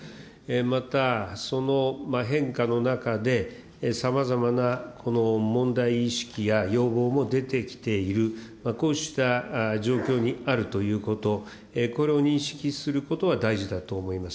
また、その変化の中で、さまざまな問題意識や要望も出てきている、こうした状況にあるということ、これを認識することは大事だと思います。